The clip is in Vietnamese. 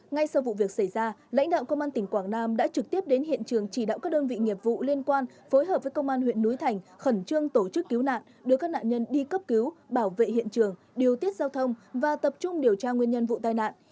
ngay sau vụ việc xảy ra lãnh đạo công an tỉnh quảng nam đã trực tiếp đến hiện trường chỉ đạo các đơn vị nghiệp vụ liên quan phối hợp với công an huyện núi thành khẩn trương tổ chức cứu nạn đưa các nạn nhân đi cấp cứu bảo vệ hiện trường điều tiết giao thông và tập trung điều tra nguyên nhân vụ tai nạn